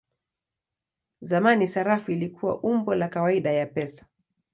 Zamani sarafu ilikuwa umbo la kawaida ya pesa.